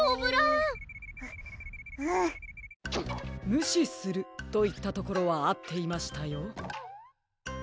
「むしする」といったところはあっていましたよ。